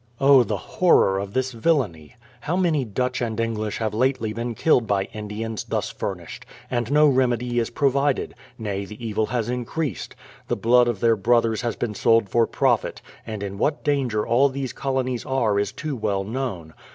Oh, the horror of this viiiainy! How many Dutch and English have lately been killed by Indians, thus furnished ; and no remedy is provided, — nay, the evil has increased. The blood of their brothers has been sold for profit; and in what danger all these colonies are is too well known.